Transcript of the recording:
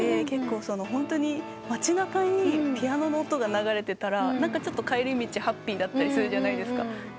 結構街なかにピアノの音が流れてたら何か帰り道ハッピーだったりするじゃないですか。